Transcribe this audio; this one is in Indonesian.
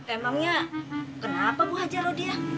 emangnya kenapa bu haja rodia